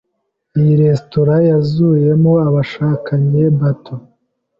Iyi resitora yuzuyemo abashakanye bato.